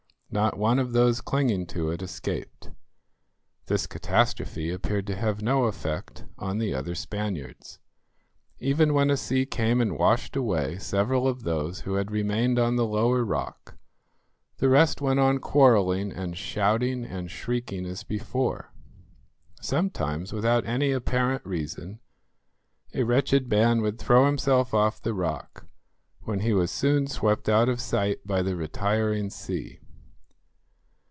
Not one of those clinging to it escaped. This catastrophe appeared to have no effect on the other Spaniards. Even when a sea came and washed away several of those who had remained on the lower rock, the rest went on quarrelling and shouting and shrieking as before. Sometimes, without any apparent reason, a wretched man would throw himself off the rock, when he was soon swept out of sight by the retiring sea.